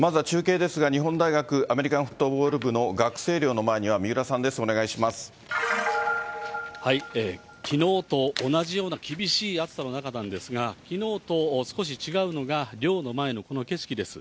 まずは中継ですが、日本大学アメリカンフットボール部の学生寮の前にはみうらさんできのうと同じような厳しい暑さの中なんですが、きのうと少し違うのが、寮の前のこの景色です。